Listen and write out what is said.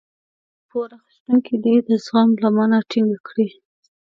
پور اخيستونکی دې د زغم لمنه ټينګه کړي.